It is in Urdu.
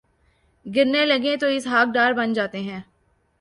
گرنے لگیں تو اسحاق ڈار بن جاتے ہیں۔